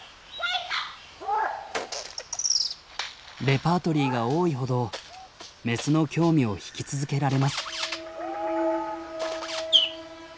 レパートリーが多いほどメスの興味を引き続けられます。